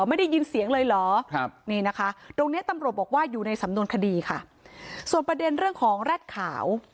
ไม่ได้ยินเสียงเลยเหรอครับนี่นะคะตรงเนี้ยตำรวจบอกว่าอยู่ในสำนวนคดีค่ะส่วนประเด็นเรื่องของแร็ดขาว